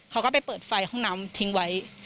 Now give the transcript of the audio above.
เขาก็ไปเปิดไฟห้องน้ำทิ้งไว้